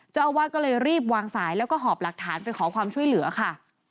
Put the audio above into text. เจ้าอาวาสก็เลยรีบวางสายแล้วก็หอบหลักฐานไปขอความช่วยเหลือค่ะ